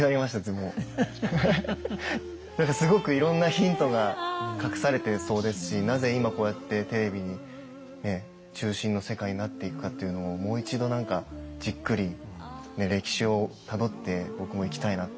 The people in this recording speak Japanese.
すごくいろんなヒントが隠されてそうですしなぜ今こうやってテレビにねっ中心の世界になっていくかっていうのをもう一度じっくり歴史をたどって僕もいきたいなというふうに感じます。